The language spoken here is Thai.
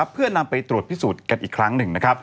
เพื่อนำไปตรวจพิสูจน์กันอีกครั้งหนึ่ง